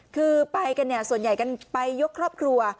คือไปกันเนี่ยส่วนใหญ่กันไปยกครอบครัว